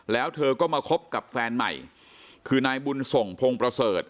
แล้วเธอก็มาคบกับแฟนใหม่คือนายบุญส่งพงประเสริฐ